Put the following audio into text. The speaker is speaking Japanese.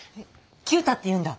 九太っていうんだ。